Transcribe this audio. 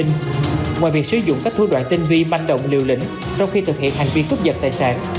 ngoài việc sử dụng các thủ đoạn tinh vi manh động liều lĩnh trong khi thực hiện hành vi cướp dật tài sản